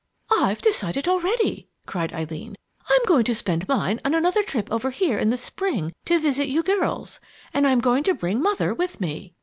"I've decided already!" cried Eileen. "I'm going to spend mine on another trip over here in the spring to visit you girls, and I'm going to bring mother with me.